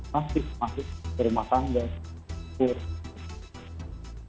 masih masih bermakam dan turun